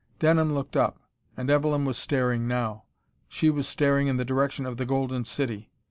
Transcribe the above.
Denham looked up. And Evelyn was staring now. She was staring in the direction of the Golden City.